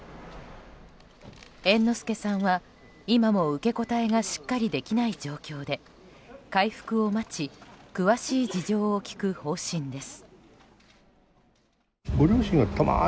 猿之助さんは今も受け答えがしっかりできない状況で回復を待ち詳しい事情を聴く方針です。